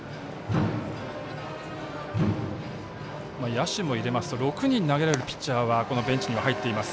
野手も入れますと６人投げれるピッチャーがベンチには入っています